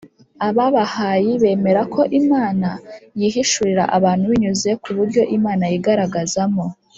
ababahayi bemera ko imana yihishuriye abantu binyuze ku “buryo imana yigaragazamo